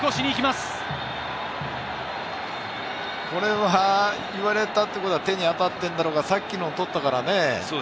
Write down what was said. これは言われたってことは手に当たっているんだろうが、さっきのは取ったからね。